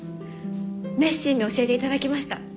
熱心に教えていただきました。